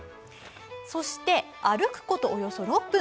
そして、歩くことおよそ６分